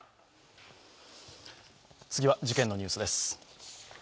次は事件のニュースです。